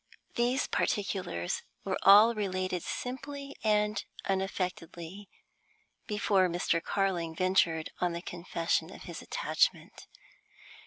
These particulars were all related simply and unaffectedly before Mr. Carling ventured on the confession of his attachment.